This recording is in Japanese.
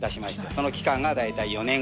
その期間が大体４年